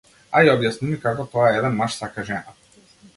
Ај објасни ми како тоа еден маж сака жена.